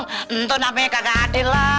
tentu namanya kagak adil